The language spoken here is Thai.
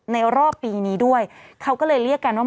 รอบปีนี้ด้วยเขาก็เลยเรียกกันว่า